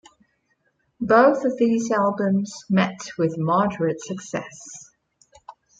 Both of these albums met with moderate success.